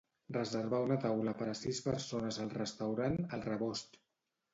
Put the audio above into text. Reservar una taula per a sis persones al restaurant El Rebost.